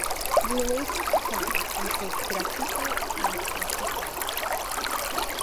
Related terms include graffito and graffiti.